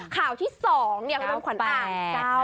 ข่าวที่๒ก็เรียกว่าควันอ่าน๙๘